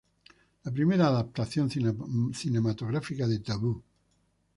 La primera adaptación cinematográfica de "¡Tabú!